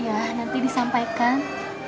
iya nanti disampaikan